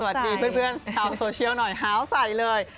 เป็นอย่างไรสวัสดีเพื่อนชาวโซเชียลหน่อยหาวใสเลย